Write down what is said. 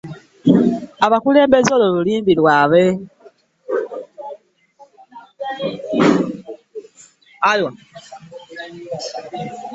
Abakulembeze olwo lulimbi lwabwe.